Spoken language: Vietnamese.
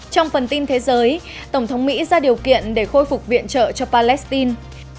trong phần tin thế giới tổng thống mỹ ra điều kiện để khôi phục viện trợ cho palestine